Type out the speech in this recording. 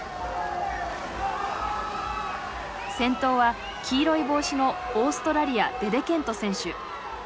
先頭は黄色い帽子のオーストラリアデデケント選手。